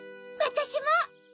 わたしも！